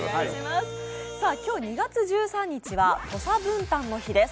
今日２月１３日は土佐文旦の日です。